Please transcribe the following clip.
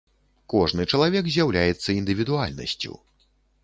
Кожны чалавек з'яўляецца індывідуальнасцю.